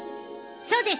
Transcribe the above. そうです。